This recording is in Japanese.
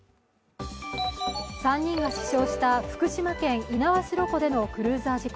３人が死傷した福島県猪苗代湖でのクルーザー事故。